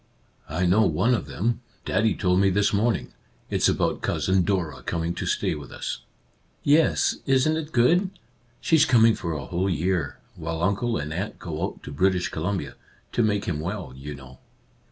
" I know one of them ; Daddy told me this morning. It's about Cousin Dora coming to stay with us." "Yes — isn't it good? She's coming for a whole year, while uncle and aunt go out to British Columbia, — to make him well, you know."